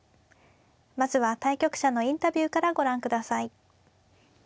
まずは対局者のインタビューからご覧ください。